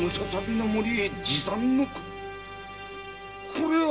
これは‼